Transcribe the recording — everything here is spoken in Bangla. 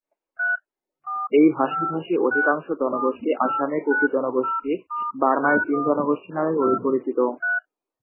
এই ভাষাভাষী অধিকাংশ জনগোষ্ঠী আসামে কুকি জনগোষ্ঠী, বার্মায় চিন জনগোষ্ঠী নামে পরিচিত।